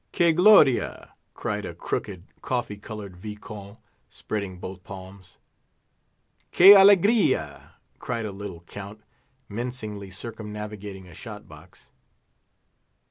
"Que gloria!" cried a crooked, coffee coloured Viscount, spreading both palms. "Que alegria!" cried a little Count, mincingly circumnavigating a shot box.